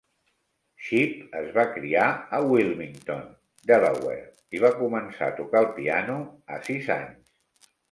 Shipp es va criar a Wilmington, Delaware, i va començar a tocar el piano a sis anys.